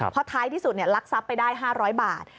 เพราะท้ายที่สุดลักทรัพย์ไปได้๕๐๐บาท